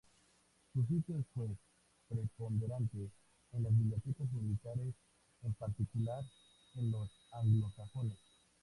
Su sitio es pues preponderante en las bibliotecas militares, en particular en los anglosajones.